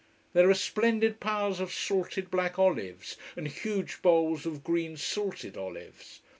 There are splendid piles of salted black olives, and huge bowls of green salted olives.